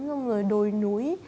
xong rồi đồi núi